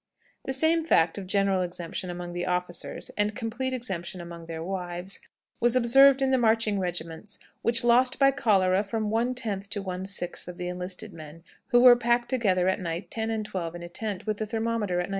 The same fact of general exemption among the officers, and complete exemption among their wives, was observed in the marching regiments, which lost by cholera from one tenth to one sixth of the enlisted men, who were packed together at night ten and twelve in a tent, with the thermometer at 96°.